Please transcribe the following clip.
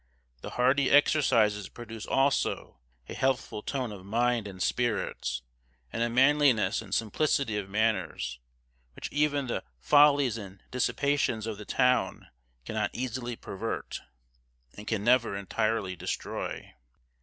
The hardy exercises produce also a healthful tone of mind and spirits, and a manliness and simplicity of manners, which even the follies and dissipations of the town cannot easily pervert, and can never entirely destroy.